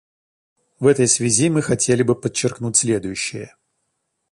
В этой связи мы хотели бы подчеркнуть следующее.